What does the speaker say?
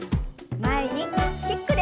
前にキックです。